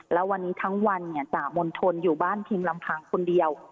แล้ววันนี้ทั้งวันเนี่ยจะมนทนอยู่บ้านทิมลำพังคนเดียว